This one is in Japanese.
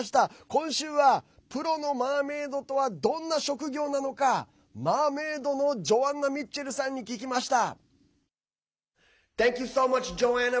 今週はプロのマーメードとはどんな職業なのかマーメードのジョアンナ・ミッチェルさんに聞きました。